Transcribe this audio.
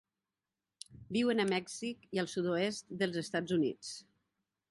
Viuen a Mèxic i al sud-oest dels Estats Units.